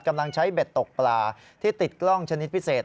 กำลังใช้เบ็ดตกปลาที่ติดกล้องชนิดพิเศษ